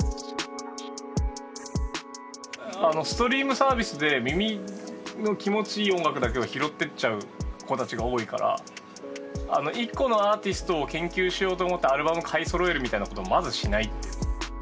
ストリームサービスで耳の気持ちいい音楽だけを拾っていっちゃう子たちが多いから１個のアーティストを研究しようと思ってアルバム買いそろえるみたいなことまずしないって。